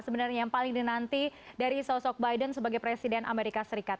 sebenarnya yang paling dinanti dari sosok biden sebagai presiden amerika serikat